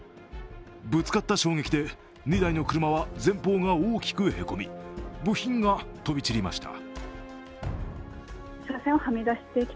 ぶつかった衝撃で２台の車は前方が大きくへこみ、部品が飛び散りました。